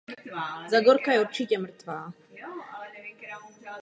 U ptáků došlo k podstatné redukci a zjednodušení kostry ruky.